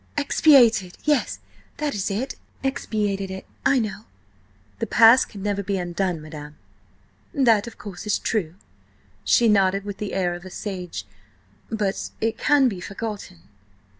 –expiated! yes, that is it–expiated it, I know." "The past can never be undone, madam." "That, of course, is true," she nodded, with the air of a sage, "but it can be forgotten."